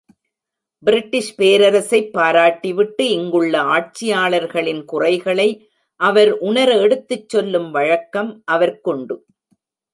British பேரரசைப் பாராட்டிவிட்டு இங்குள்ள ஆட்சியாளர்களின் குறைகளை அவர் உணர எடுத்துச் சொல்லும் வழக்கமும் அவர்க்குண்டு.